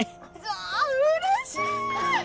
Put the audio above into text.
あうれしい！